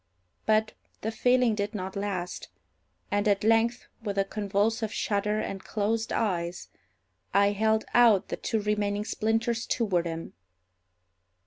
But the feeling did not last; and, at length, with a convulsive shudder and closed eyes, I held out the two remaining splinters toward him.